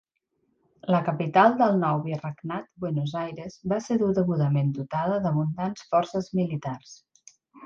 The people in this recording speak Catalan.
La capital del nou virregnat, Buenos Aires, va ser degudament dotada d'abundants forces militars.